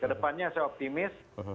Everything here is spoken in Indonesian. kedepannya saya optimis